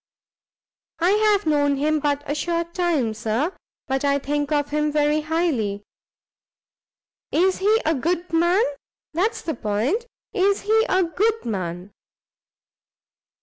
"I have known him but a short time, Sir; but I think of him very highly." "Is he a good man? that's the point, is he a good man?"